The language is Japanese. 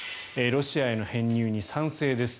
ロシアへの編入に賛成です